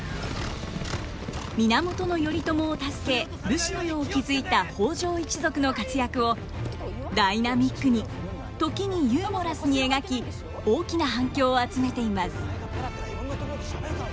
源頼朝を助け武士の世を築いた北条一族の活躍をダイナミックに時にユーモラスに描き大きな反響を集めています。